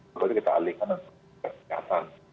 berarti kita alihkan ke kegiatan